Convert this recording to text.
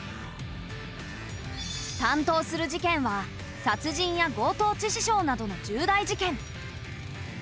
担当する事件は殺人や強盗致死傷などの重大事件。